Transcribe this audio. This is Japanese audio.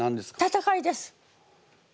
戦いです。